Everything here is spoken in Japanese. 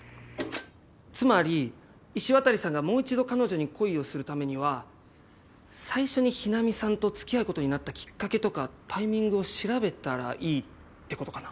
つまり石渡さんがもう一度彼女に恋をするためには最初に日菜美さんと付き合うことになったきっかけとかタイミングを調べたらいいってことかな？